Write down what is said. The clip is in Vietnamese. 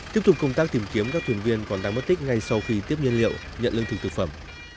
tiếp tục công tác tìm kiếm các thuyền viên còn đang mất tích ngay sau khi tiếp nhiên liệu nhận lương thực thực phẩm